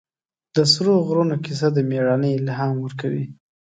د سرو غرونو کیسه د مېړانې الهام ورکوي.